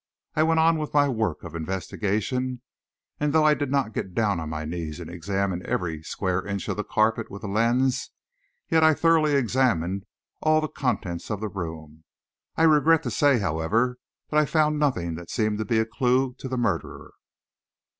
I went on with my work of investigation, and though I did not get down on my knees and examine every square inch of the carpet with a lens, yet I thoroughly examined all of the contents of the room. I regret to say, however, that I found nothing that seemed to be a clue to the murderer.